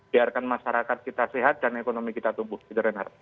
biarkan masyarakat kita sehat dan ekonomi kita tumbuh